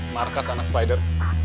markas anak spider